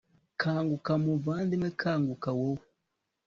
kanguka, muvandimwe, kanguka wowe